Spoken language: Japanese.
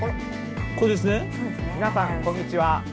皆さんこんにちは。